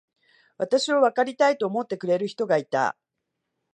私をわかりたいと思ってくれる人がいた。